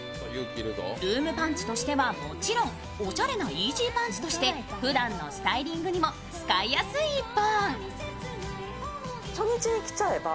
ルームパンツとしてはもちろんおしゃれなイージーパンツとしてふだんのスタイリングにも使いやすい１本。